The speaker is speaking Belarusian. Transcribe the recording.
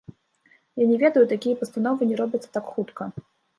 Я не ведаю, такія пастановы не робяцца так хутка.